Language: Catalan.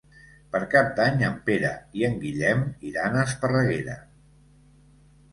Per Cap d'Any en Pere i en Guillem iran a Esparreguera.